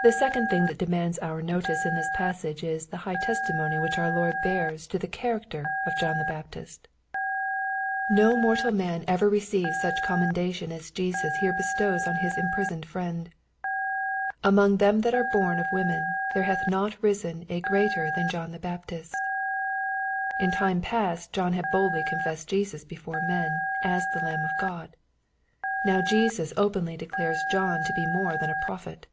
The second thing that demands our notice in this pas« sage, is the high testimony which our Lord bears to the character of John the Baptist. No mortal man evei 110 9 BXPOSITOBT THOUGHTS. received such commendation as Jesus here be8to>\'s on His imprisoned friend. '^ Among them that are born of women^ there hath not risen a greater than John the Baptist/' In time past John had boldly confessed Jesus before men, as the Lamb of Gtod. Now Jesus openly declares John to be more than a prophet.